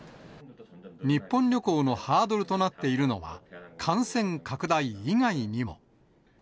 日本旅行のハードルとなっているのは、感染拡大以外にも。